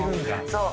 そう。